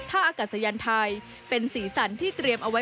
อากาศยานไทยเป็นสีสันที่เตรียมเอาไว้